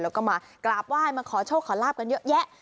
แล้วก็มากราบไหว้มาขอโชคขอลาบกันเยอะแยะ